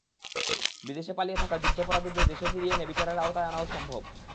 বিদেশে পালিয়ে থাকা যুদ্ধাপরাধীদের দেশে ফিরিয়ে এনে বিচারের আওতায় আনাও সম্ভব।